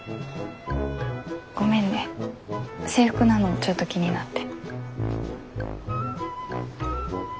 ごめんね制服なのちょっと気になって。